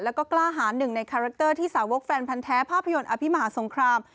แล้วก็กล้าหาหนึ่งในคาแรคเตอร์ที่สาวกแฟนพันธ์แท้ภาพยนตร์อภิมหาสงคราม